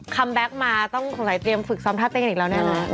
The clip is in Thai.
แบ็คมาต้องสงสัยเตรียมฝึกซ้อมท่าเต้นอีกแล้วนะฮะ